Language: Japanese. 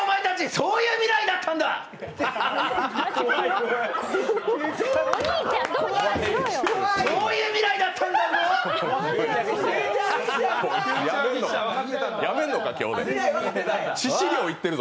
そういう未来だったんだぞ。